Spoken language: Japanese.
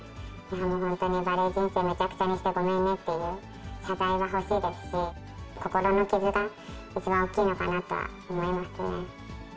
本当にバレー人生めちゃくちゃにしてごめんねっていう謝罪が欲しいですし、心の傷が一番大きいのかなと思いますね。